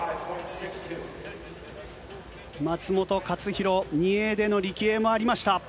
松元克央、２泳での力泳もありました。